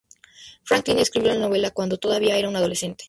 Franklin escribió la novela cuando todavía era una adolescente.